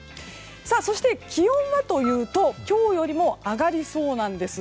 そして、気温はというと今日よりも上がりそうです。